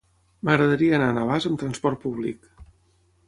M'agradaria anar a Navàs amb trasport públic.